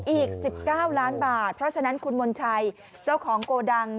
อีก๑๙ล้านบาทเพราะฉะนั้นคุณมนชัยเจ้าของโกดัง